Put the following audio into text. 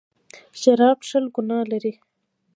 شراب څښل ګناه لري.